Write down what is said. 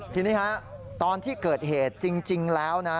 ทีนี้ฮะตอนที่เกิดเหตุจริงแล้วนะ